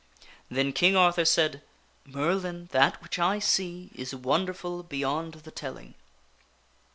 Then King Arthur said, " Merlin, that which I see is wonderful beyond the telling."